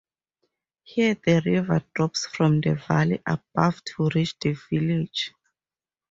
Here the river drops from the valley above to reach the village.